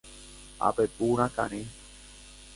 Apepu rakãre.